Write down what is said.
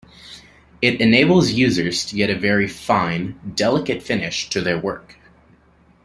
It enables users to get a very fine, delicate finish to their work.